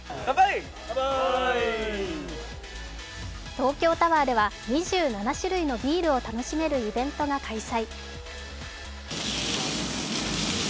東京タワーでは２７種類のビールを楽しめるイベントが開催。